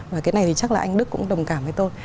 và cái này thì chắc là anh đức cũng đồng cảm với tôi